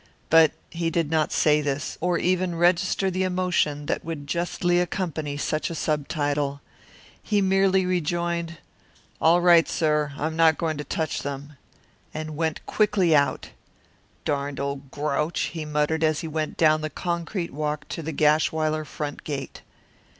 But he did not say this, or even register the emotion that would justly accompany such a subtitle. He merely rejoined, "All right, sir, I'm not going to touch them," and went quickly out. "Darned old grouch!" he muttered as he went down the concrete walk to the Gashwiler front gate.